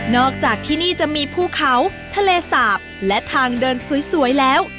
อกจากที่นี่จะมีภูเขาทะเลสาบและทางเดินสวยแล้ว